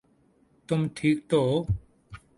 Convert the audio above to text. تم ٹھیک تو ہو؟